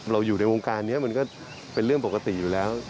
อยู่ในวงการนี้มันก็เป็นเรื่องปกติอยู่แล้ว